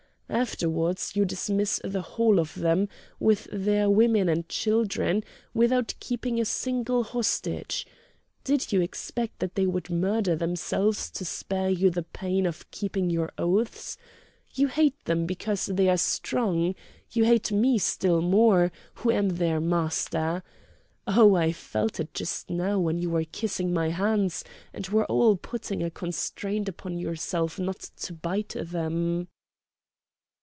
Afterwards you dismiss the whole of them with their women and children, without keeping a single hostage! Did you expect that they would murder themselves to spare you the pain of keeping your oaths? You hate them because they are strong! You hate me still more, who am their master! Oh! I felt it just now when you were kissing my hands and were all putting a constraint upon yourselves not to bite them!"